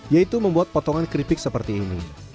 yaitu membuat potongan keripik seperti ini